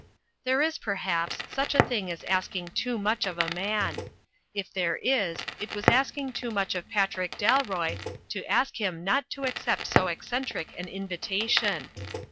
There is, perhaps, such a thing as asking too much of a man. If there is, it was asking too much of Pat rick Dalroy to ask him not to accept so eccentric an invitation.